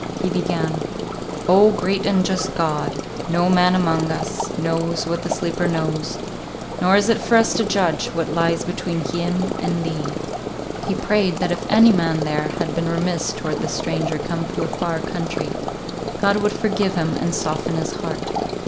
He began, "Oh, great and just God, no man among us knows what the sleeper knows, nor is it for us to judge what lies between him and Thee." He prayed that if any man there had been remiss toward the stranger come to a far country, God would forgive him and soften his heart.